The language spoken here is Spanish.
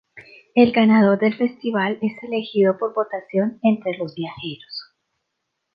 El ganador del festival es elegido por votación entre los viajeros.